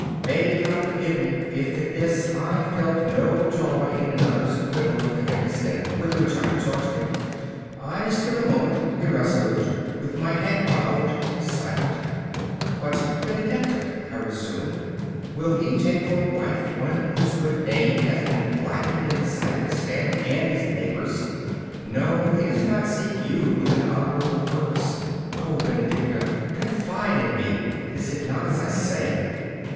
May God forgive me if at this I felt no joy in another's acquittal of the heavy sin with which I had charged him. I stood a moment irresolute, with my head bowed, silent. 'But, Benedicta,' I resumed, 'will he take for a wife one whose good name has been blackened in the sight of his family and his neighbours? No, he does not seek you with an honourable purpose. O Benedicta, confide in me. Is it not as I say?